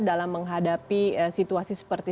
dalam menghadapi situasi seperti